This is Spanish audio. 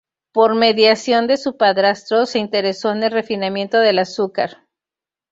Por mediación de su padrastro, se interesó en el refinamiento del azúcar.